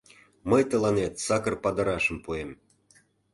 — Мый тыланет сакыр падырашым пуэм...